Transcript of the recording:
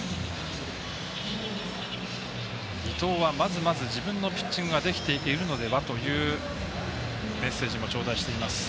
伊藤は、まずまず自分のピッチングができているのではというメッセージも頂戴しています。